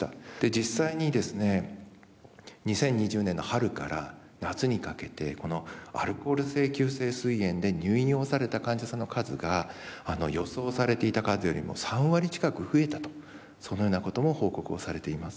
実際にですね２０２０年の春から夏にかけてこのアルコール性急性すい炎で入院をされた患者さんの数が予想されていた数よりも３割近く増えたとそのようなことも報告をされています。